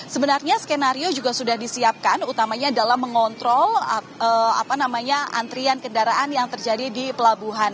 sebenarnya skenario juga sudah disiapkan utamanya dalam mengontrol antrian kendaraan yang terjadi di pelabuhan